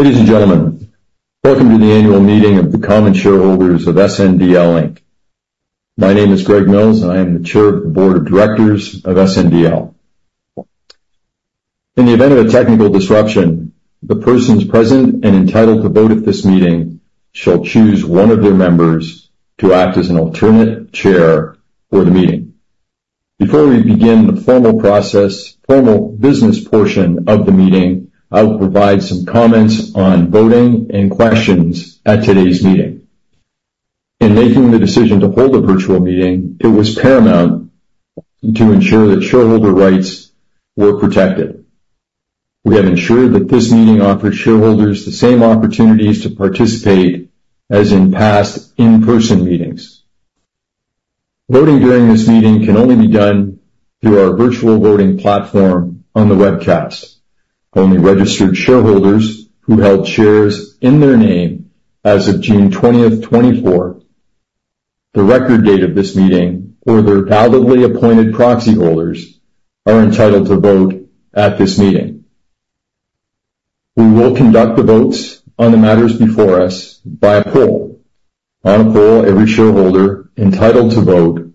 Ladies and gentlemen, welcome to the annual meeting of the common shareholders of SNDL Inc. My name is Greg Mills, and I am the Chair of the Board of Directors of SNDL. In the event of a technical disruption, the persons present and entitled to vote at this meeting shall choose one of their members to act as an alternate Chair for the meeting. Before we begin the formal business portion of the meeting, I will provide some comments on voting and questions at today's meeting. In making the decision to hold a virtual meeting, it was paramount to ensure that shareholder rights were protected. We have ensured that this meeting offers shareholders the same opportunities to participate as in past in-person meetings. Voting during this meeting can only be done through our virtual voting platform on the webcast. Only registered shareholders who held shares in their name as of June 20th, 2024, the record date of this meeting, or their validly appointed proxy holders, are entitled to vote at this meeting. We will conduct the votes on the matters before us by a poll. On a poll, every shareholder entitled to vote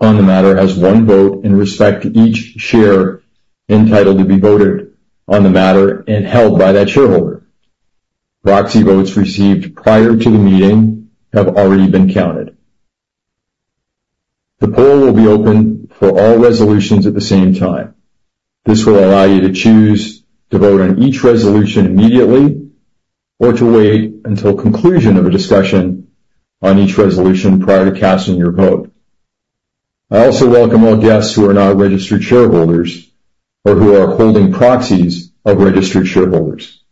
on the matter has one vote in respect to each share entitled to be voted on the matter and held by that shareholder. Proxy votes received prior to the meeting have already been counted. The poll will be open for all resolutions at the same time. This will allow you to choose to vote on each resolution immediately or to wait until conclusion of a discussion on each resolution prior to casting your vote. I also welcome all guests who are not registered shareholders or who are holding proxies of registered shareholders.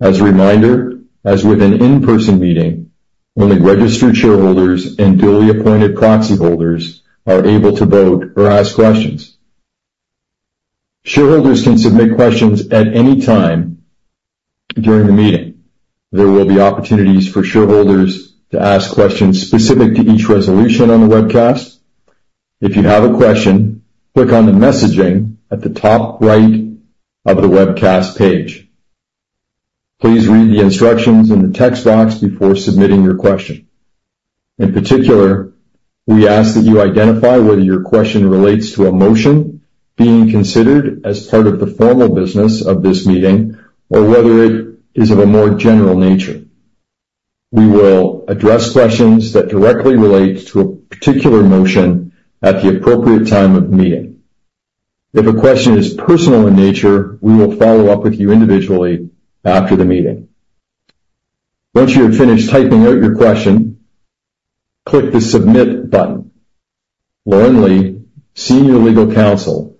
As a reminder, as with an in-person meeting, only registered shareholders and duly appointed proxy holders are able to vote or ask questions. Shareholders can submit questions at any time during the meeting. There will be opportunities for shareholders to ask questions specific to each resolution on the webcast. If you have a question, click on the messaging at the top right of the webcast page. Please read the instructions in the text box before submitting your question. In particular, we ask that you identify whether your question relates to a motion being considered as part of the formal business of this meeting or whether it is of a more general nature. We will address questions that directly relate to a particular motion at the appropriate time of the meeting. If a question is personal in nature, we will follow up with you individually after the meeting. Once you have finished typing out your question, click the submit button. Lauren Lee, Senior Legal Counsel,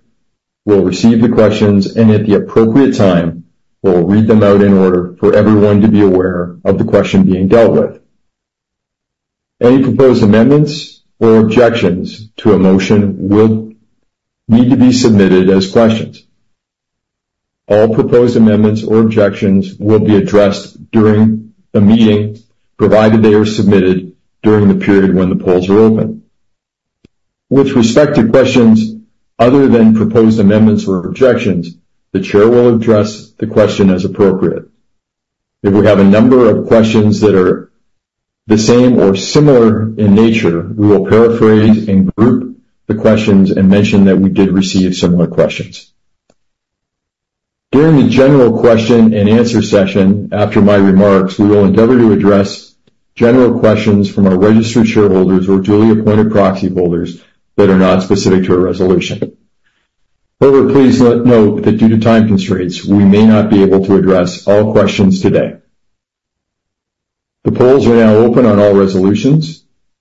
will receive the questions and, at the appropriate time, will read them out in order for everyone to be aware of the question being dealt with. Any proposed amendments or objections to a motion will need to be submitted as questions. All proposed amendments or objections will be addressed during the meeting, provided they are submitted during the period when the polls are open. With respect to questions other than proposed amendments or objections, the chair will address the question as appropriate. If we have a number of questions that are the same or similar in nature, we will paraphrase and group the questions and mention that we did receive similar questions. During the general question and answer session after my remarks, we will endeavor to address general questions from our registered shareholders or duly appointed proxy holders that are not specific to a resolution. However, please note that due to time constraints, we may not be able to address all questions today. The polls are now open on all resolutions.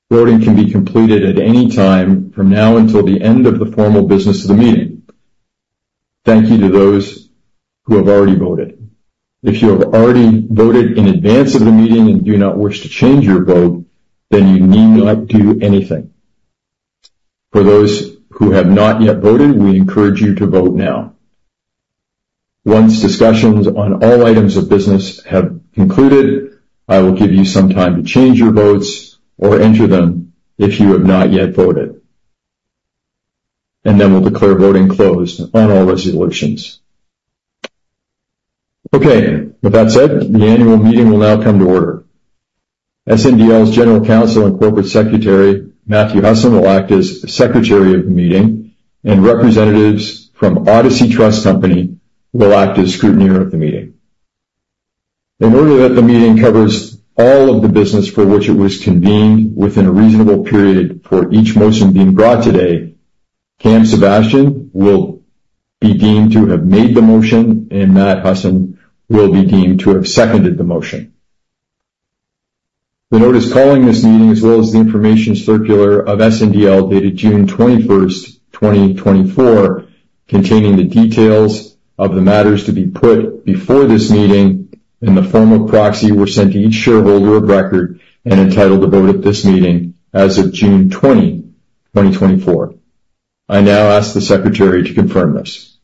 Voting can be completed at any time from now until the end of the formal business of the meeting. Thank you to those who have already voted. If you have already voted in advance of the meeting and do not wish to change your vote, then you need not do anything. For those who have not yet voted, we encourage you to vote now. Once discussions on all items of business have concluded, I will give you some time to change your votes or enter them if you have not yet voted. Then we'll declare voting closed on all resolutions. Okay. With that said, the annual meeting will now come to order. SNDL's General Counsel and Corporate Secretary, Matthew Husson, will act as Secretary of the meeting, and representatives from Odyssey Trust Company will act as scrutineer of the meeting. In order that the meeting covers all of the business for which it was convened within a reasonable period for each motion being brought today, Cam Sebastian will be deemed to have made the motion, and Matt Husson will be deemed to have seconded the motion. The notice calling this meeting, as well as the information circular of SNDL dated June 21st, 2024, containing the details of the matters to be put before this meeting and the formal proxy were sent to each shareholder of record and entitled to vote at this meeting as of June 20, 2024. I now ask the Secretary to confirm this.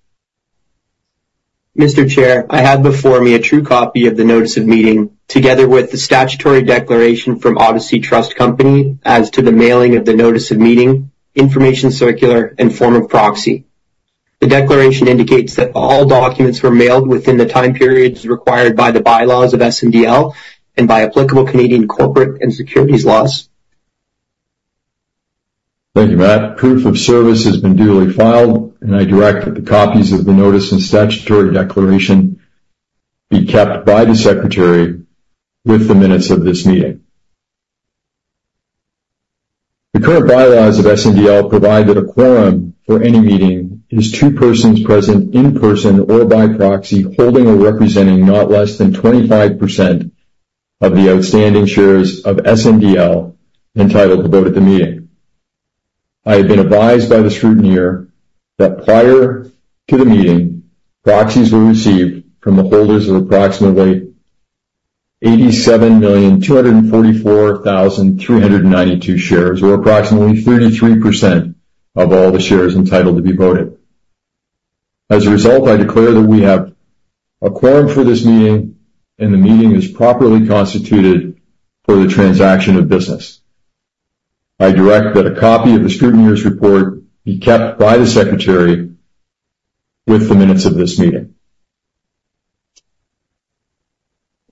Mr. Chair, I have before me a true copy of the notice of meeting together with the statutory declaration from Odyssey Trust Company as to the mailing of the notice of meeting, information circular, and form of proxy. The declaration indicates that all documents were mailed within the time periods required by the bylaws of SNDL and by applicable Canadian corporate and securities laws. Thank you, Matt. Proof of service has been duly filed, and I direct that the copies of the notice and statutory declaration be kept by the Secretary with the minutes of this meeting. The current bylaws of SNDL provide that a quorum for any meeting is two persons present in person or by proxy holding or representing not less than 25% of the outstanding shares of SNDL entitled to vote at the meeting. I have been advised by the scrutineer that prior to the meeting, proxies were received from the holders of approximately 87,244,392 shares, or approximately 33% of all the shares entitled to be voted. As a result, I declare that we have a quorum for this meeting, and the meeting is properly constituted for the transaction of business. I direct that a copy of the scrutineer's report be kept by the Secretary with the minutes of this meeting.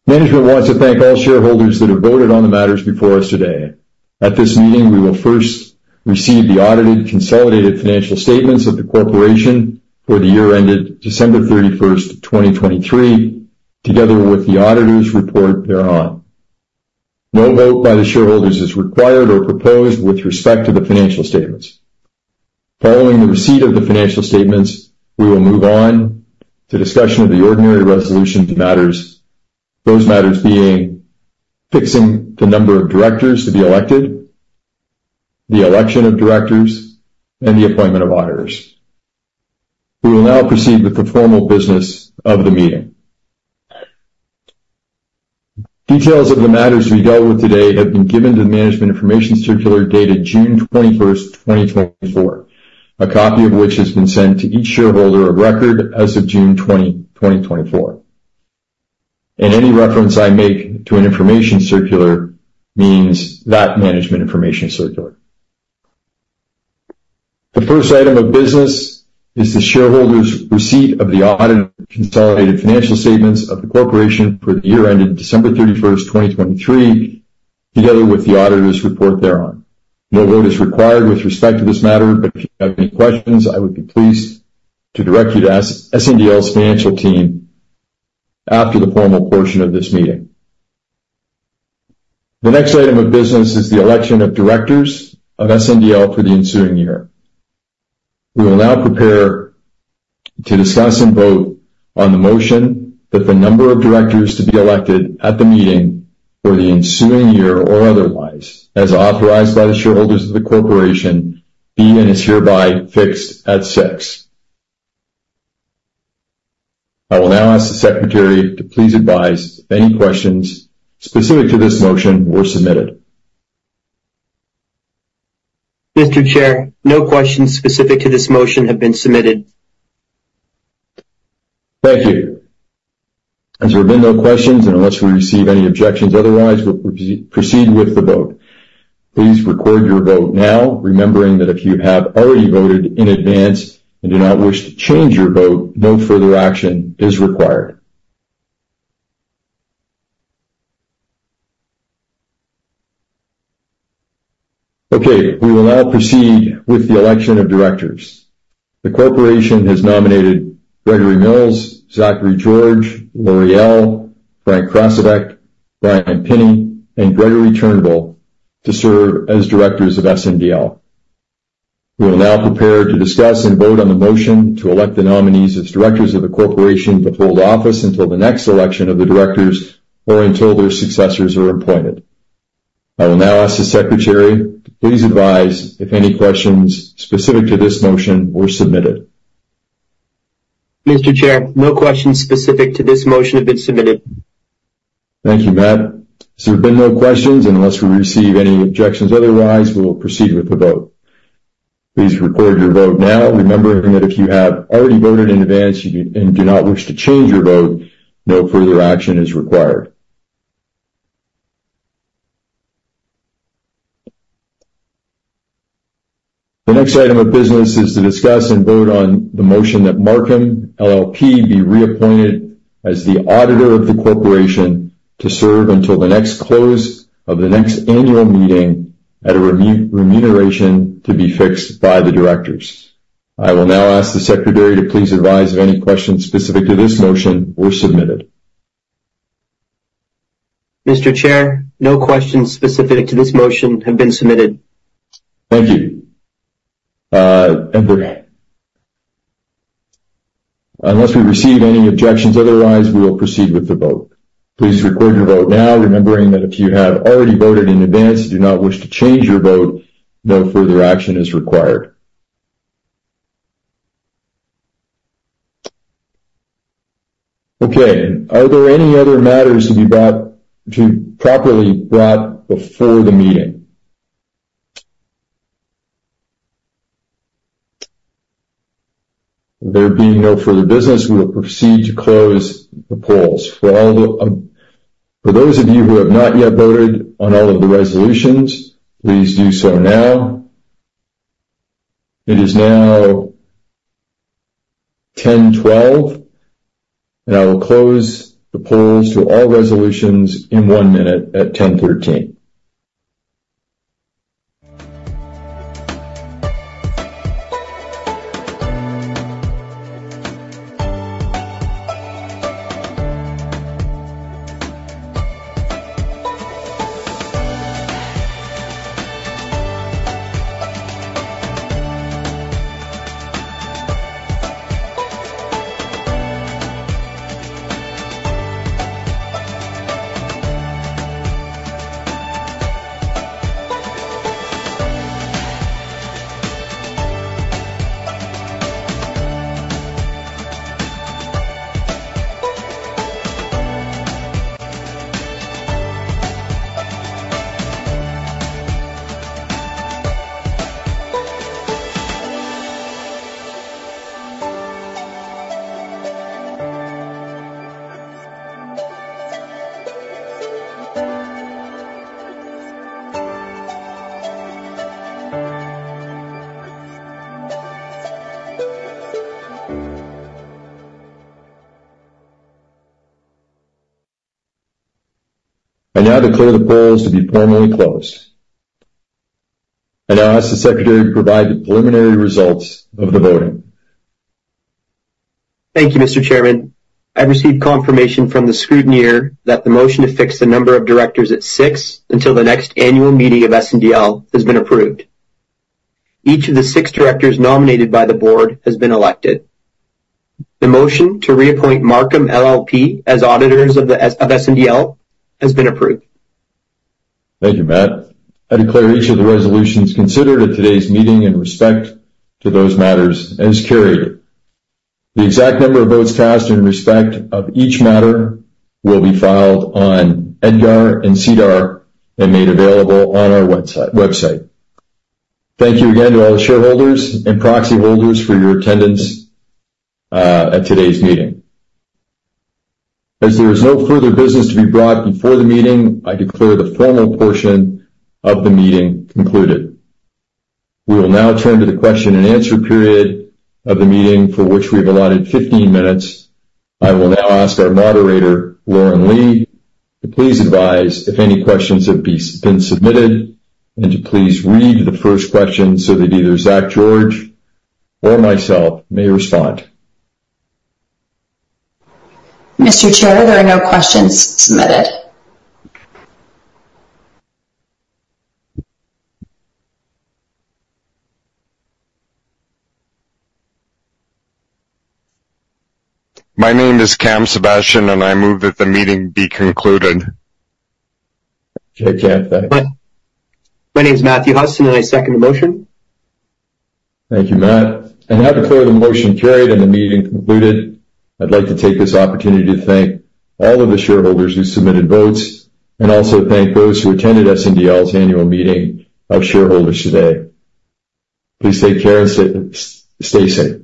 Management wants to thank all shareholders that have voted on the matters before us today. At this meeting, we will first receive the audited consolidated financial statements of the corporation for the year ended December 31st, 2023, together with the auditor's report thereon. No vote by the shareholders is required or proposed with respect to the financial statements. Following the receipt of the financial statements, we will move on to discussion of the ordinary resolution matters, those matters being fixing the number of directors to be elected, the election of directors, and the appointment of auditors. We will now proceed with the formal business of the meeting. Details of the matters we dealt with today have been given to the management information circular dated June 21st, 2024, a copy of which has been sent to each shareholder of record as of June 20, 2024. Any reference I make to an information circular means that management information circular. The first item of business is the shareholders' receipt of the audited consolidated financial statements of the corporation for the year ended December 31st, 2023, together with the auditor's report thereon. No vote is required with respect to this matter, but if you have any questions, I would be pleased to direct you to SNDL's financial team after the formal portion of this meeting. The next item of business is the election of directors of SNDL for the ensuing year. We will now prepare to discuss and vote on the motion that the number of directors to be elected at the meeting for the ensuing year or otherwise, as authorized by the shareholders of the corporation, be and is hereby fixed at six. I will now ask the Secretary to please advise if any questions specific to this motion were submitted. Mr. Chair, no questions specific to this motion have been submitted. Thank you. As there have been no questions and unless we receive any objections otherwise, we'll proceed with the vote. Please record your vote now, remembering that if you have already voted in advance and do not wish to change your vote, no further action is required. Okay. We will now proceed with the election of directors. The corporation has nominated Gregory Mills, Zachary George, Lori Ell, Frank Krasovec, Bryan Pinney, and Gregory Turnbull to serve as directors of SNDL. We will now prepare to discuss and vote on the motion to elect the nominees as directors of the corporation to hold office until the next election of the directors or until their successors are appointed. I will now ask the Secretary to please advise if any questions specific to this motion were submitted. Mr. Chair, no questions specific to this motion have been submitted. Thank you, Matt. As there have been no questions, and unless we receive any objections otherwise, we'll proceed with the vote. Please record your vote now, remembering that if you have already voted in advance and do not wish to change your vote, no further action is required. The next item of business is to discuss and vote on the motion that Marcum LLP be reappointed as the auditor of the corporation to serve until the next close of the next annual meeting at a remuneration to be fixed by the directors. I will now ask the Secretary to please advise if any questions specific to this motion were submitted. Mr. Chair, no questions specific to this motion have been submitted. Thank you. Unless we receive any objections otherwise, we will proceed with the vote. Please record your vote now, remembering that if you have already voted in advance and do not wish to change your vote, no further action is required. Okay. Are there any other matters to be properly brought before the meeting? There being no further business, we will proceed to close the polls. For those of you who have not yet voted on all of the resolutions, please do so now. It is now 10:12 A.M., and I will close the polls to all resolutions in one minute at 10:13 A.M. I now declare the polls to be formally closed. I now ask the Secretary to provide the preliminary results of the voting. Thank you, Mr. Chairman. I've received confirmation from the scrutineer that the motion to fix the number of directors at six until the next annual meeting of SNDL has been approved. Each of the six directors nominated by the board has been elected. The motion to reappoint Marcum LLP as auditors of SNDL has been approved. Thank you, Matt. I declare each of the resolutions considered at today's meeting in respect to those matters as carried. The exact number of votes cast in respect of each matter will be filed on EDGAR and SEDAR and made available on our website. Thank you again to all the shareholders and proxy holders for your attendance at today's meeting. As there is no further business to be brought before the meeting, I declare the formal portion of the meeting concluded. We will now turn to the question and answer period of the meeting for which we've allotted 15 minutes. I will now ask our moderator, Lauren Lee, to please advise if any questions have been submitted and to please read the first question so that either Zach George or myself may respond. Mr. Chair, there are no questions submitted. My name is Cam Sebastian, and I move that the meeting be concluded. Okay, Cam, thanks. My name is Matthew Husson, and I second the motion. Thank you, Matt. I now declare the motion carried and the meeting concluded. I'd like to take this opportunity to thank all of the shareholders who submitted votes and also thank those who attended SNDL's annual meeting of shareholders today. Please take care and stay safe.